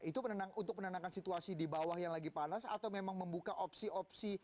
itu untuk menenangkan situasi di bawah yang lagi panas atau memang membuka opsi opsi